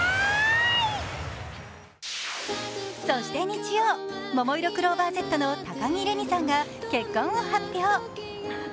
そして日曜、ももいろクローバーＺの高城れにさんが結婚を発表。